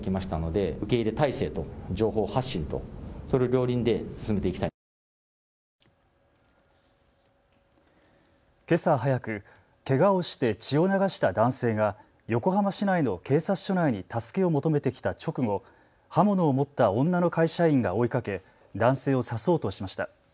一方の中嶋氏は今後について。けさ早く、けがをして血を流した男性が横浜市内の警察署内に助けを求めてきた直後、刃物を持った女の会社員が追いかけ男性を刺そうとしました。